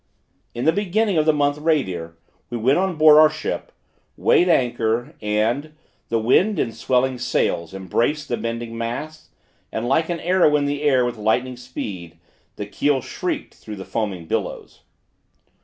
In the beginning of the month Radir, we went on board our ship, weighed anchor, and The wind in swelling sails embraced the bending masts, And, like an arrow in the air, with lightning speed, The keel shrieked through the foaming billows.